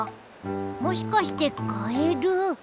もしかしてカエル？